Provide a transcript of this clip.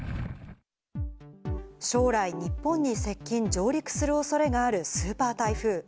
将来、日本に接近、上陸するおそれがあるスーパー台風。